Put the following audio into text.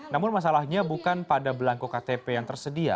namun masalahnya bukan pada belangko ktp yang tersedia